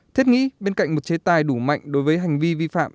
thiết nghĩ bên cạnh một chế tài đủ mạnh đối với hành vi vi phạm